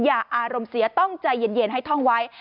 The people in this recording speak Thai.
อารมณ์เสียต้องใจเย็นให้ท่องไว้